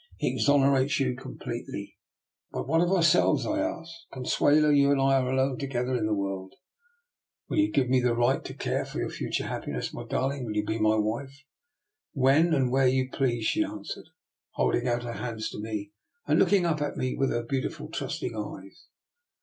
He exonerates you completely! "'' But what of ourselves? " I asked. " Consuelo, you and I are alone together in the world; will you give me the right to care for your future happiness? My darling, will you be my wife? "'' When and where you please," she an swered, holding out her hands to me and looking up at me with her beautiful, trust ing eyes.